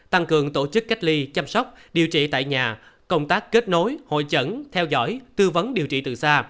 tăng cường tổ chức cách ly chăm sóc điều trị tại nhà công tác kết nối hội chẩn theo dõi tư vấn điều trị từ xa